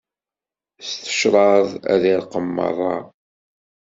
S tecraḍ ad irqem merra.